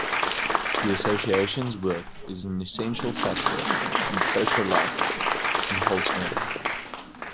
The association's work is an essential factor in the social life in Holzmaden.